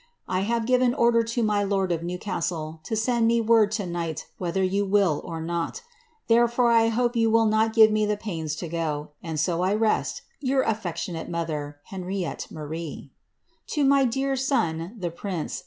I hare giren order to mi lord of Newcastel to id mi word to night whether yon will or not; therefore I hope you will not m m the painei lo goe : and so I rest ( Tour a£Eectionate mother, HsiaiRTi Maul *To mi deare somie, the prince.